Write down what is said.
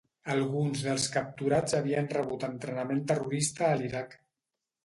Alguns dels capturats havien rebut entrenament terrorista a l'Iraq.